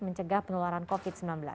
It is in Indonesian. mencegah penularan covid sembilan belas